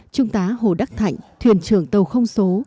trung tá hồ đắc thạnh thuyền trưởng tàu không số